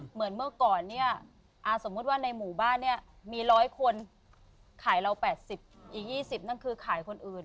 เหมือนเมื่อก่อนเนี่ยสมมุติว่าในหมู่บ้านเนี่ยมี๑๐๐คนขายเรา๘๐อีก๒๐นั่นคือขายคนอื่น